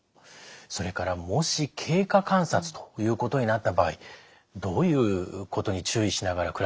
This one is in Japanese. それからもし経過観察ということになった場合どういうことに注意しながら暮らしていく必要あるんでしょうか？